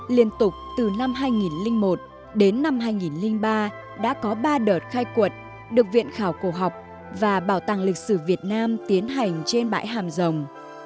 liên tục từ năm hai nghìn một đến năm hai nghìn ba đã có ba đợt khai quật được viện khảo cổ học và bảo tàng lịch sử việt nam tiến hành trên bãi hàm rồng